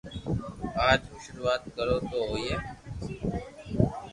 اج مون ݾروعات ڪرو تو ھوئي